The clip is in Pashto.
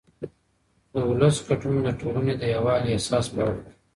د ولس ګډون د ټولنې د یووالي احساس پیاوړی کوي